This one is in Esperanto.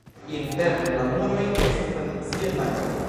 Interne la muroj estas tradicie blankaj.